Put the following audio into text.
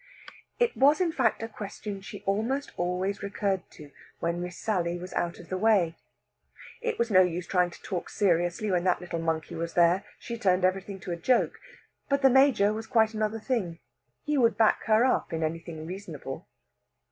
It was, in fact, a question she almost always recurred to when Miss Sally was out of the way. It was no use trying to talk seriously when that little monkey was there. She turned everything to a joke. But the Major was quite another thing. He would back her up in anything reasonable.